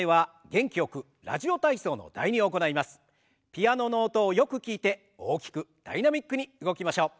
ピアノの音をよく聞いて大きくダイナミックに動きましょう。